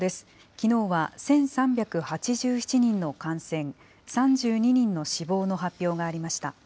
きのうは１３８７人の感染、３２人の死亡の発表がありました。